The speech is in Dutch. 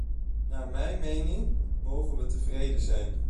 Naar mijn mening mogen we tevreden zijn.